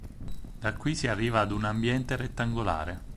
Da qui si arriva ad un ambiente rettangolare.